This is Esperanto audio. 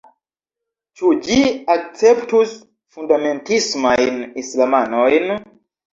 Ĉu ĝi akceptus fundamentismajn islamanojn?